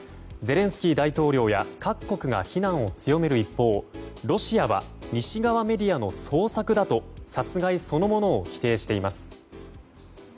ゼレンスキー大統領や各国が非難を強める一方ロシアは西側メディアの創作だと殺害そのものを否定しています。